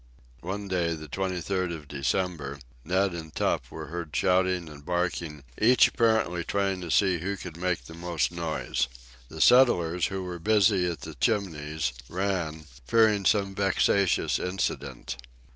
One day, the 23rd of December, Neb and Top were heard shouting and barking, each apparently trying to see who could make the most noise. The settlers, who were busy at the Chimneys, ran, fearing some vexatious incident.